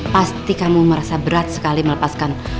pasti kamu merasa berat sekali melepaskan